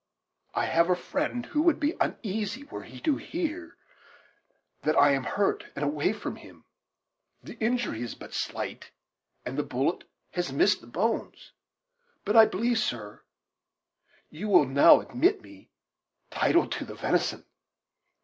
I have a friend who would be uneasy were he to hear that I am hurt and away from him. The injury is but slight, and the bullet has missed the bones; but I believe, sir, you will now admit me title to the venison."